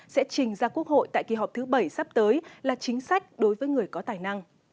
sẽ trình ra quốc hội tại kỳ họp thứ bảy sắp tới là chính sách đối với người có tài năng